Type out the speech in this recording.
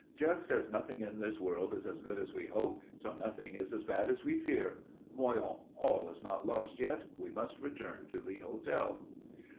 Just as nothing in this world is as good as we hope, so nothing is as bad as we fear. Voyons! All is not lost yet. We must return to the hotel."